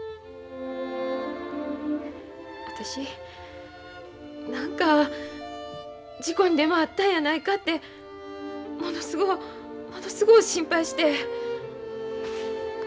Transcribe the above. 私何か事故にでも遭ったんやないかてものすごうものすごう心配して。